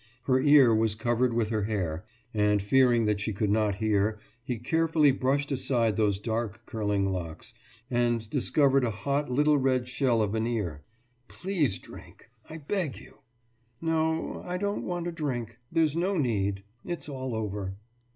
Her ear was covered with her hair, and fearing that she could not hear, he carefully brushed aside those dark curling locks, and discovered a hot little red shell of an ear. »Please drink! I beg you!« »No, I don't want a drink. There's no need.... It's all over.